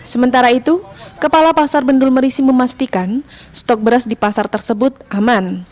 sementara itu kepala pasar bendul merisi memastikan stok beras di pasar tersebut aman